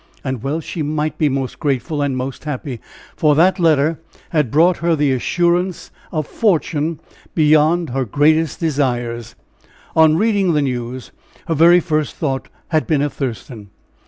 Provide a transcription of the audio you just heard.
And well she might be most grateful and most happy, for that letter had brought her assurance of fortune beyond her greatest desires. On reading the news, her very first thought had been of Thurston.